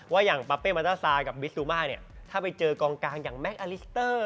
ว่าอย่างป๊าเป้มัตต้าซากับวิซูม่าถ้าไปเจอกองการอย่างแมกอลิกเตอร์